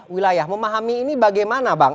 wilayah memahami ini bagaimana bang